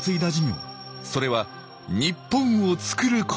それは日本をつくることでした。